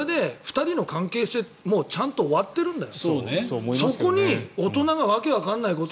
これで２人の関係性ちゃんと終わってるんだよ。